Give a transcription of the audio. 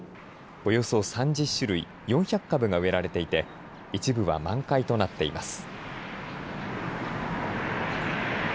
およそ３０種類４００株が植えられていて一部は満開となっています。